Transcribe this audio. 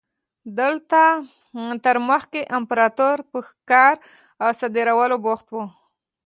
دلته تر مخکې امپراتور په ښکار او صادرولو بوخت و.